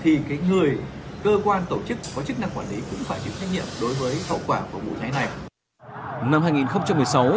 thì cái người cơ quan tổ chức có chức năng quản lý cũng phải chịu trách nhiệm đối với hậu quả của vụ này này